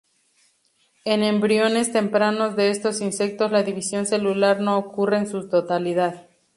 En embriones tempranos de estos insectos, la división celular no ocurre en su totalidad.